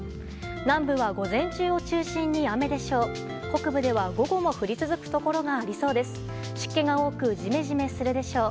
南部は午前中を中心に雨でしょう。